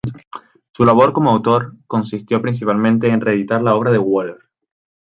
Su labor como autor consistió principalmente en reeditar la obra de Wöhler.